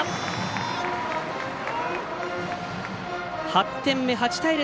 ８点目、８対０。